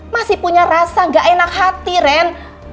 masih punya rasa gak enak hati ren